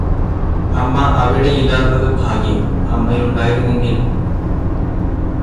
അമ്മ അവിടെയില്ലാത്തത് ഭാഗ്യം അമ്മയുണ്ടായിരുന്നെങ്കിൽ